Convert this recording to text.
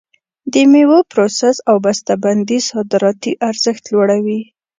د میوو پروسس او بسته بندي صادراتي ارزښت لوړوي.